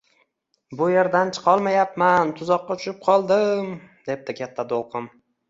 – Bu yerdan chiqolmayapman, tuzoqqa tushib qoldim, – debdi Katta to‘lqin